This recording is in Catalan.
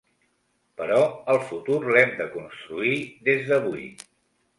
Però el futur l’hem de construir des d’avui.